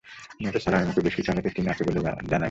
নিহত সালামের মুখে বেশ কিছু আঘাতের চিহ্ন আছে বলেও জানায় পুলিশ।